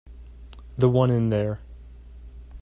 The one in there.